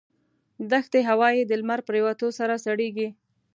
دښتي هوا یې د لمر پرېوتو سره سړېږي.